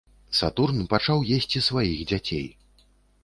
Сатурн пачаў есці сваіх дзяцей.